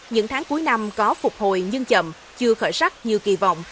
những tháng cuối năm có phục hồi nhưng chậm chưa khởi sắc như kỳ vọng